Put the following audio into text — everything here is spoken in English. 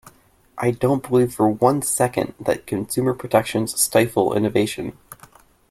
I don't believe for one second that consumer protections stifle innovation.